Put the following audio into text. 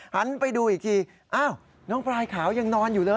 หันไปดูอีกทีอ้าวน้องพลายขาวยังนอนอยู่เลย